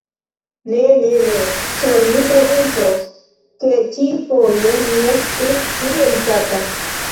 Ne, ne, ne, ĉar mi promesos, ke ĉi-foje mi estus pli delikata